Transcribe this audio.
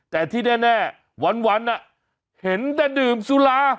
แต่ที่แน่วันเห็นแต่ดื่มสุรา